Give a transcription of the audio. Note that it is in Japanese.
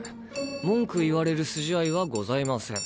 文句言われる筋合いはございません。